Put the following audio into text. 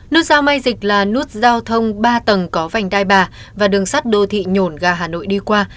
nút giao mai dịch là nút giao thông ba tầng có vành đai ba và đường sắt đô thị nhổn ga hà nội đi qua